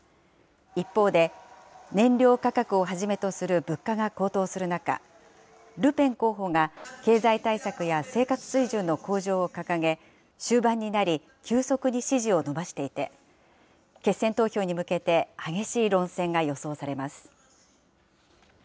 一方で、燃料価格をはじめとする物価が高騰する中、ルペン候補が経済対策や生活水準の向上を掲げ、終盤になり、急速に支持を伸ばしていて、決選投票に向けて、激しい論戦が予想されます。